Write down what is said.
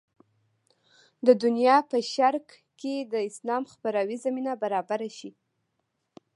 د دنیا په شرق کې د اسلام خپراوي زمینه برابره شي.